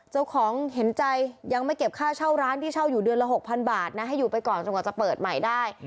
เจ้าของเห็นใจยังไม่เก็บค่าเช่าร้านที่เช่าอยู่เดือนละ๖๐๐บาทนะให้อยู่ไปก่อนจนกว่าจะเปิดใหม่ได้